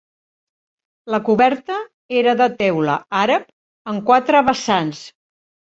La coberta era de teula àrab amb quatre vessants.